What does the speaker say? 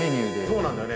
そうなんだよね。